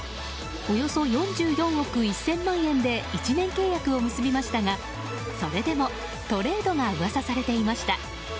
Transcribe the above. およそ４４億１０００万円で１年契約を結びましたがそれでもトレードが噂されていました。